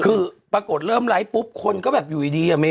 คือปรากฏเริ่มไลค์ปุ๊บคนนั้นก็อยู่ดี